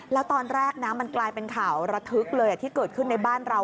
แล้วตอนแรกนะมันกลายเป็นข่าวระทึกเลยที่เกิดขึ้นในบ้านเรา